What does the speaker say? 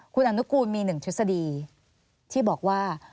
คุณอนุกูลมี๑ทฤษฎีที่บอกว่า